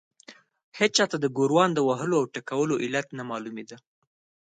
هېچا ته د ګوروان د وهلو او ټکولو علت نه معلومېده.